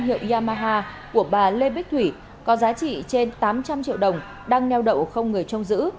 hiệu yamaha của bà lê bích thủy có giá trị trên tám trăm linh triệu đồng đang neo đậu không người trông giữ